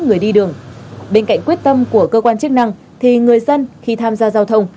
người đi đường bên cạnh quyết tâm của cơ quan chức năng thì người dân khi tham gia giao thông